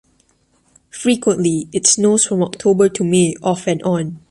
Frequently, it snows from October to May off and on.